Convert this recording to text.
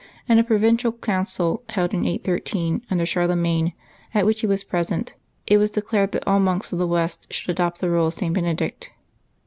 In a Provincial Council held in 813, under Charlemagne, at which he was present, it was declared that all monks of the West should adopt the rule of St. Benedict.